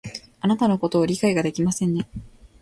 あなたのことを理解ができませんね